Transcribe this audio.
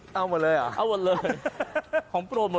ด้วยกระป๋ว